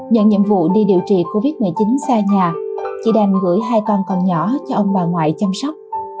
nhận nhiệm vụ đi điều trị covid một mươi chín xa nhà chị đành gửi hai con còn nhỏ cho ông bà ngoại chăm sóc